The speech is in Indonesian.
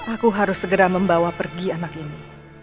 aku harus segera membawa pergi anak ini